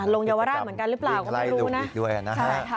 ลงยาวร่างเหมือนกันหรือเปล่าก็ไม่รู้นะ